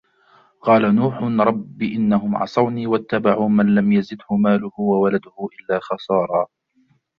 قال نوح رب إنهم عصوني واتبعوا من لم يزده ماله وولده إلا خسارا